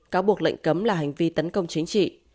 cáo buộc lệnh cấm là hành vi tấn công chính trị